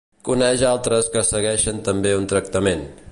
Coneix altres que segueixen també un tractament.